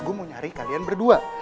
aku mau nyari kalian berdua